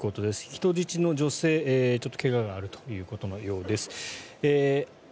人質の女性、ちょっと怪我があるということのようです。